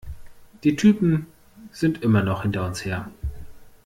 Die Typen sind immer noch hinter uns her!